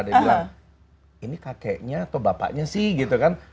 dia bilang ini kakeknya atau bapaknya sih gitu kan